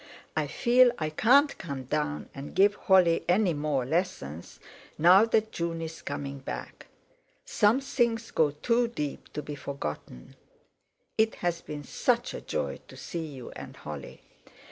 I feel I can't come down and give Holly any more lessons, now that June is coming back. Some things go too deep to be forgotten. It has been such a joy to see you and Holly.